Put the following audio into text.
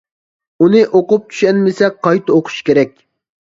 ئۇنى ئوقۇپ چۈشەنمىسە قايتا ئوقۇش كېرەك.